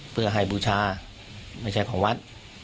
เพื่อให้บูชาไม่ใช่ของวัด